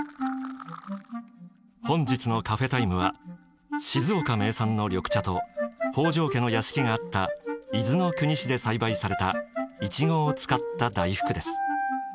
本日のカフェタイムは静岡名産の緑茶と北条家の屋敷があった伊豆の国市で栽培されたイチゴを使った大福です。